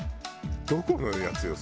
どこのやつよ？